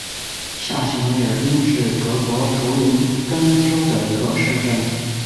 下齐梅尔恩是德国图林根州的一个市镇。